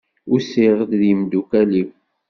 Usiɣ-d d yimdukal-iw.